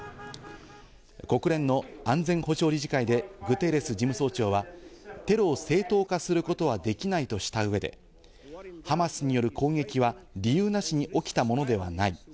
国連の安全保障理事会でグテーレス事務総長はテロを正当化することはできないとした上で、ハマスによる攻撃は理由なしに起きたものではない。